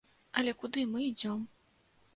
Але куды мы ідзём?